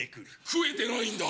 食えてないんだ！